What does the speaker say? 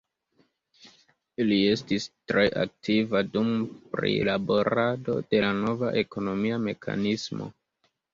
Li estis tre aktiva dum prilaborado de la nova ekonomia mekanismo.